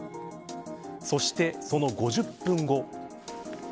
そして、その５０分後。